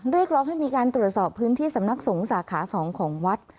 เรียกร้องให้มีการตรวจสอบพื้นที่สำนักสงฆ์สาขา๒ของวัด